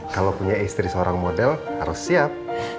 kalau punya istri seorang model harus siap